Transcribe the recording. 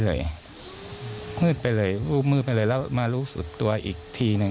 ก็คือมารู้สึกมืดไปเลยนะรู้สึกตัวอีกทีนึง